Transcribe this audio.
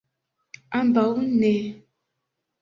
Ambaŭ ne.